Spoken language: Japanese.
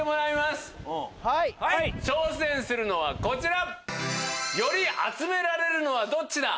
挑戦するのはこちら！